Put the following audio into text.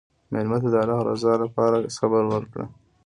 مېلمه ته د الله رضا لپاره صبر وکړه.